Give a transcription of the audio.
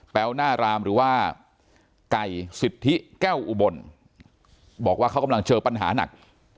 หน้ารามหรือว่าไก่สิทธิแก้วอุบลบอกว่าเขากำลังเจอปัญหาหนัก